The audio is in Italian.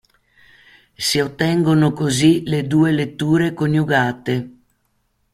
Si ottengono così le due letture coniugate.